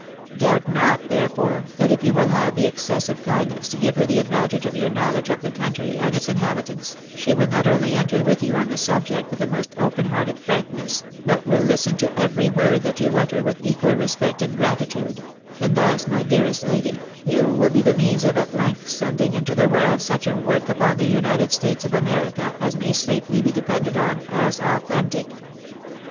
Doubt not, therefore, that if you will have the excessive kindness to give her the advantage of your knowledge of the country and its in habitants, she will not only enter with you on the subject with the most open hearted frankness, but will hsten to every word you utter with equal respect and gratitude ; and thus, my dearest lady, you will be the means of at length sending into the world such a 58 THE BARNABYS IN AMEEICA. work upon the United States of America as may safely be de pended on as authentic."